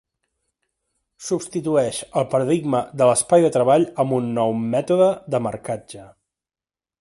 Substitueix el paradigma de l'espai de treball amb un nou mètode de marcatge.